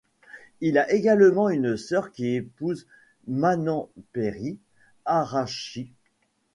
Il a également une soeur qui épouse Manamperi Arachchi.